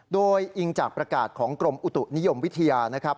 โดยอิงจากประกาศของกรมอุตุนิยมวิทยานะครับ